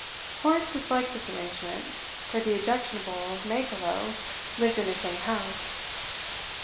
Horace disliked this arrangement, for the objectionable Mankelow lived in the same house.